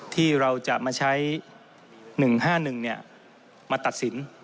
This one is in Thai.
ที่เราจะมาใช้๑๕๑มาตัดสิน